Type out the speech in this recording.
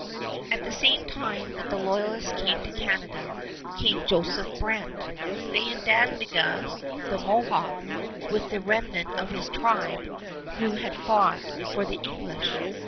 At the same time that the Loyalists came to Canada, came Joseph Brant, Thayendanegea, the Mohawk, with the remnant of his tribe, who had fought for the English.